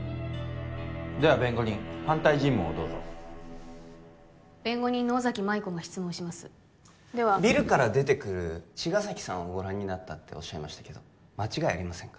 では弁護人反対尋問をどうぞ弁護人の尾崎舞子が質問しますではビルから出てくる茅ヶ崎さんをご覧になったっておっしゃいましたけど間違いありませんか？